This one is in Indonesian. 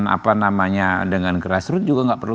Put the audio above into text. apa namanya dengan grassroot juga enggak perlu